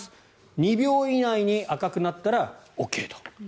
２秒以内に赤くなったらＯＫと。